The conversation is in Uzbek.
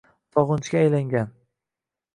sog‘inchga aylangan: